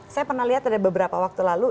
saya pernah lihat ada beberapa waktu lalu